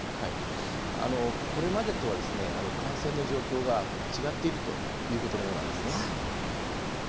これまでとは感染の状況が違っているということのようなんですね。